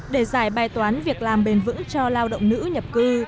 để giải bài toán việc làm bền vững cho lao động nữ nhập cư